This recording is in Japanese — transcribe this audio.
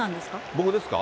僕ですか？